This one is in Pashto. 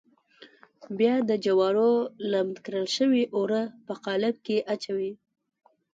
بیا د جوارو لمد کړل شوي اوړه په قالب کې اچوي.